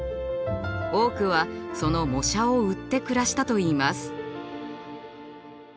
多くはその模写を売って暮らしたといいます。